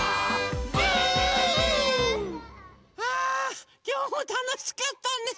あきょうもたのしかったね！